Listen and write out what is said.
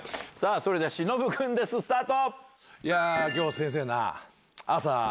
それではしのぶくんですスタート！